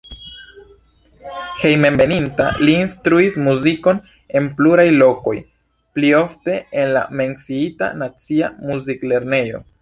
Hejmenveninta li instruis muzikon en pluraj lokoj, pli ofte en la menciita nacia muziklernejo.